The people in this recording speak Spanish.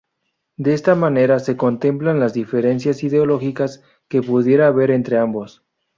De esta manera se contemplan las diferencias ideológicas que pudiera haber entre ambos.